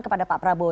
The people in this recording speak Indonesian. kepada pak prabowo